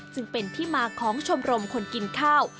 จึงเป็นที่มาของชมรมคนกินข้าว